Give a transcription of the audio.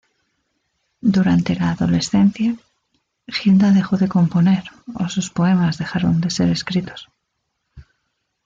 Durante la adolescencia, Hilda dejó de componer o sus poemas dejaron de ser escritos.